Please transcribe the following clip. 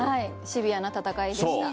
シビアな戦いでした。